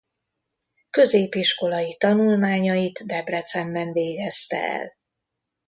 Középiskolai tanulmányait Debrecenben végezte el.